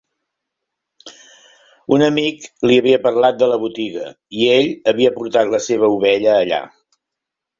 Un amic li havia parlat de la botiga, i ell havia portat la seva ovella allà.